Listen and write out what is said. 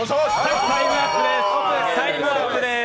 タイムアップです。